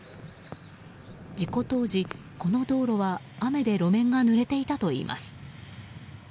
事故当時、この道路は雨で路面がぬれていたといいます。